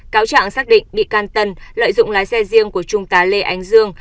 cáo trạng xác định bị can tân lợi dụng lái xe riêng của trung tá lê ánh dương